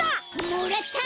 もらった！